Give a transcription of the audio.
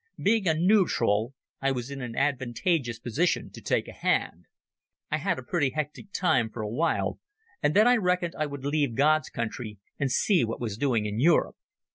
Being a nootral, I was in an advantageous position to take a hand. I had a pretty hectic time for a while, and then I reckoned I would leave God's country and see what was doing in Europe.